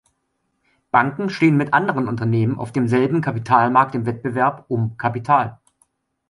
Banken stehen mit anderen Unternehmen auf demselben Kapitalmarkt im Wettbewerb um Kapital.